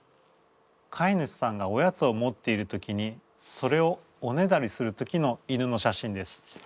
飼い主さんがおやつを持っている時にそれをおねだりする時の犬の写真です。